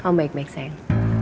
kamu baik baik sayang